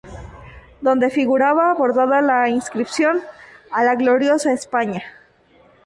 Donde figuraba bordada la inscripción: "A la gloriosa España.